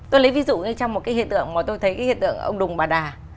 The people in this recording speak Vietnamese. tôi lấy ví dụ như trong một cái hiện tượng mà tôi thấy cái hiện tượng ông đùng bà đà